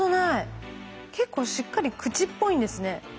結構しっかり口っぽいんですね。